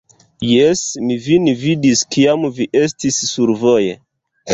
Jes, mi vin vidis kiam vi estis survoje